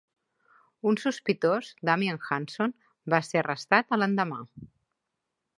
Un sospitós, Damien Hanson, va ser arrestat a l'endemà.